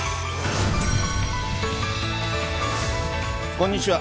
こんにちは。